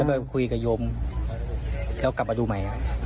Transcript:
แล้วไปคุยกับยมแล้วกลับมาดูใหม่